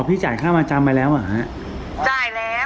อ๋อพี่จ่ายค่ามจัมไปแล้วอ่ะฮะจ่ายแล้วโอนไปหาหา